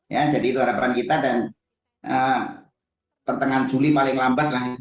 ya jadi itu harapan kita dan pertengahan juli paling lambat lah